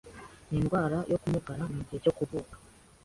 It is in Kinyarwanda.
Nindwara yo kumugaraMugihe cyo kuvuka